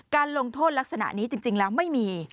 ลงโทษลักษณะนี้จริงแล้วไม่มี